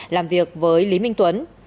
làm việc với lý minh tuấn